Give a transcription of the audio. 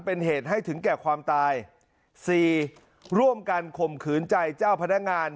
เป็นเหตุให้ถึงแก่ความตายสี่ร่วมกันข่มขืนใจเจ้าพนักงาน